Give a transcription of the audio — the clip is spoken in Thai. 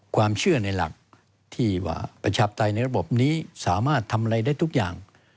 ความเชื่อในหลักที่ว่าประชาปไตยในระบบนี้สามารถทำอะไรได้ทุกอย่าง